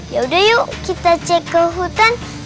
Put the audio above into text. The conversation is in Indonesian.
yaudah yuk kita cek ke hutan